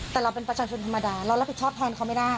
แต่เราเป็นประชาชนธรรมดาเรารับผิดชอบแทนเขาไม่ได้